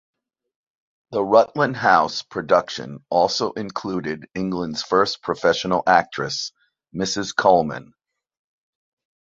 The Rutland House production also included England's first professional actress, Mrs. Coleman.